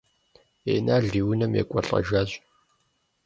Инал и унэм екӏуэлӏэжащ.